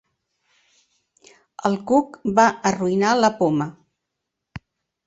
El cuc va arruïnar la Poma.